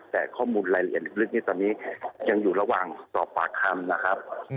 แต่ข้อมูลรายละเอียดลึกนี้ตอนนี้ยังอยู่ระหว่างสอบปากคำนะครับ